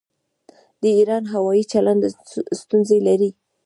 د ایران هوايي چلند ستونزې لري.